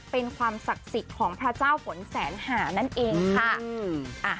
เป็นความศักดิ์สิทธิ์ของพระเจ้าฝนแสนหานั่นเองค่ะ